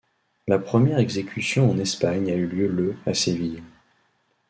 La première exécution en Espagne a lieu le à Séville.